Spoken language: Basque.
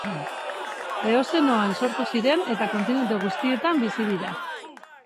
Eozenoan sortu ziren eta kontinente guztietan bizi dira.